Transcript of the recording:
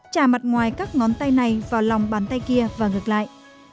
bốn trà mặt ngoài các ngón tay này vào lòng bàn tay kia và ngược lại